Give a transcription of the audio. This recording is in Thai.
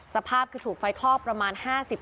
สภาพคือถูกไฟคลอกประมาณ๕๐